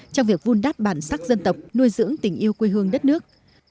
trong việc vun đáp bản sắc dân tộc nuôi dưỡng tình yêu quê hương đất nước